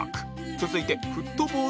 続いて